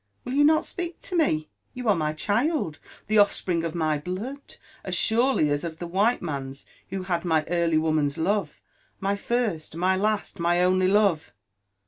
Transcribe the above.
— will you not sdeak to me Y— you are my child, the offspring of my blood, as surely as of the white man's who had my early woman's love— my first, my last, my only love.